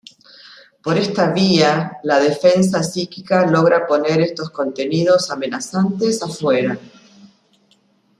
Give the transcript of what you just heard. Por esta vía, la defensa psíquica logra poner estos contenidos amenazantes afuera.